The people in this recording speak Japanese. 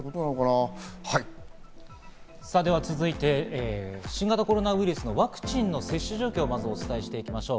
さて続いては新型コロナウイルスのワクチンの接種状況をまずお伝えしていきましょう。